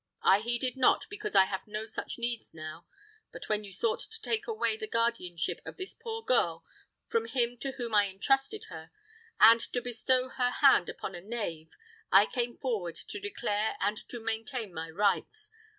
I heeded not, because I have no such needs now. But when you sought to take away the guardianship of this poor girl from him to whom I intrusted her, and to bestow her hand upon a knave, I came forward to declare and to maintain my rights.